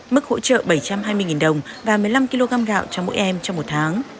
mức hỗ trợ bảy trăm hai mươi đồng và một mươi năm kg gạo cho mỗi em trong một tháng